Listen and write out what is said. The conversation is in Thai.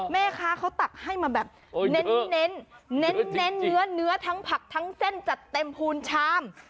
แม่ค้าเขาตักให้มาแบบเน้นเน้นเนื้อทั้งผักทั้งเส้นจัดเต็มพูนชาม